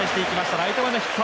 ライト前ヒット！